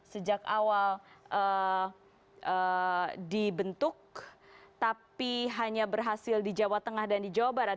sejak awal dibentuk tapi hanya berhasil di jawa tengah dan di jawa barat